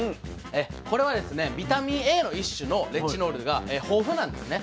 これはですねビタミンＡの一種のレチノールが豊富なんですね。